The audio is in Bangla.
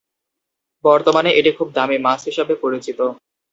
বর্তমানে এটি খুব দামী মাছ হিসাবে পরিচিত।